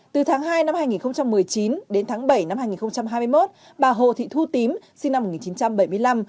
từ tháng hai năm hai nghìn một mươi chín đến tháng bảy năm hai nghìn hai mươi một bà hồ thị thu tím sinh năm một nghìn chín trăm bảy mươi năm